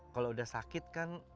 kalau udah sakit kan